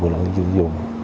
người dân dân